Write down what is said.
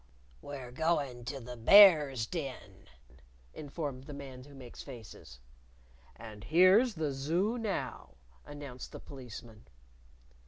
"We're going to the Bear's Den," informed the Man Who Makes Faces. "And here's the Zoo now," announced the Policeman.